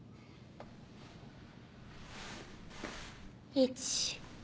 １。